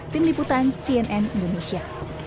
tim liputan cnn indonesia